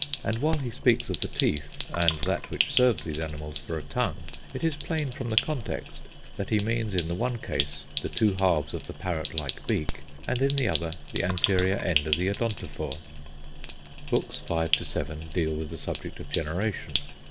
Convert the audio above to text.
And while he speaks of the teeth and that which serves these animals for a tongue, it is plain from the context that he means in the one case the two halves of the parrot like beak, and in the other the anterior end of the odontophore. Books five to seven deal with the subject of generation.